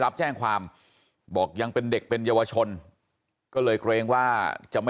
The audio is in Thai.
รับแจ้งความบอกยังเป็นเด็กเป็นเยาวชนก็เลยเกรงว่าจะไม่